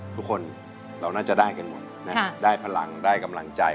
ทุกคนเราน่าจะได้กันหมดนะได้พลังได้กำลังใจ